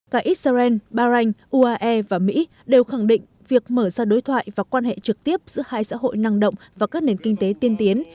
cả israel bahrain uae và mỹ đều khẳng định việc mở ra đối thoại và quan hệ trực tiếp giữa hai xã hội năng động và các nền kinh tế tiên tiến